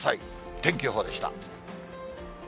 天気予報でした。